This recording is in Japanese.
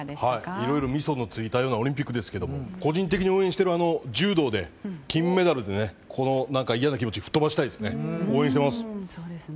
いろいろみそのついたようなオリンピックですが個人的に横転している柔道で金メダルをとっていやな気持ちをふっ飛ばしたいですね。